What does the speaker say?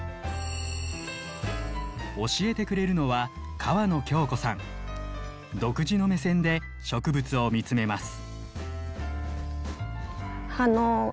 教えてくれるのは独自の目線で植物を見つめます。